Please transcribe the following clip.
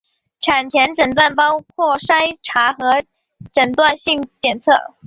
产前诊断包括筛查和诊断性检测。